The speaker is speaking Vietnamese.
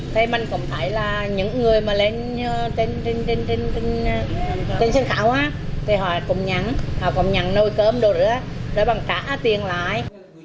thì mình cũng thấy là những người mà lên trên sân khảo thì họ cũng nhắn nâu cơm đồ nữa để bằng trả tiền lại